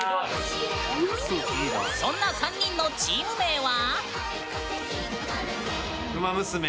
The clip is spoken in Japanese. そんな３人のチーム名は？